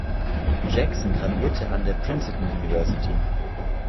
Jackson graduierte an der Princeton University.